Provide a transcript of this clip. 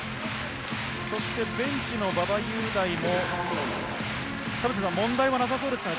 そしてベンチの馬場雄大も、問題はなさそうですか？